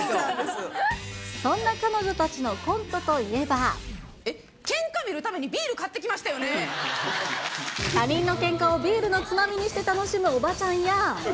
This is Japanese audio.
そんな彼女たちのコントといえっ、けんか見るためにビー他人のけんかをビールのつまみにして楽しむおばちゃんや。